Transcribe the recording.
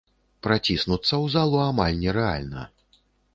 Праціснуцца ў залу амаль нерэальна.